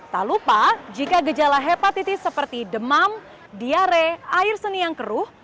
tak lupa jika gejala hepatitis seperti demam diare air seni yang keruh